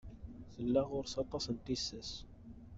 Tella ɣur-s aṭas n tissas.